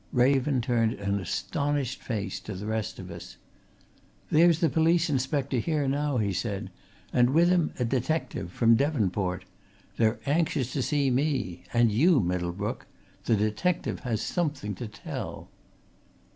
Raven turned an astonished face to the rest of us. "There's the police inspector here now," he said, "and with him a detective from Devonport. They are anxious to see me and you, Middlebrook. The detective has something to tell."